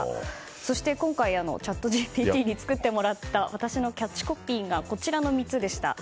そして今回、チャットＧＰＴに作ってもらった私のキャッチコピーがこちらの３つでした。